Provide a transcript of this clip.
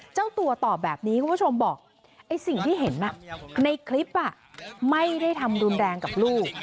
เจ้าตัวตอบแบบนี้คุณผู้ชมบอกไอ้สิ่งที่เห็นในคลิปไม่ได้ทำรุนแรงกับลูก